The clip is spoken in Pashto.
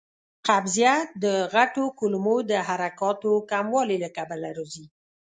قبضیت د غټو کولمو د حرکاتو کموالي له کبله راځي.